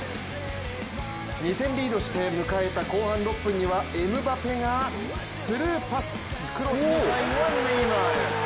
２点リードして迎えた後半６分にはエムバペがスルーパス、クロスに最後はネイマール。